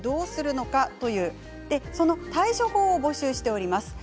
その対処法を募集しております。